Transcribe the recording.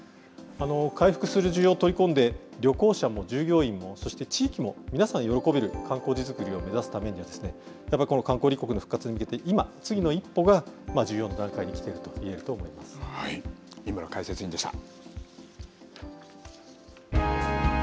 回復する需要を取り込んで、旅行者も従業員も、そして地域も皆さん喜べる観光地作りを目指すために、やっぱり、この観光立国の復活に向けて、今、次の一歩が重要な段階に来ていると言えると思い井村解説委員でした。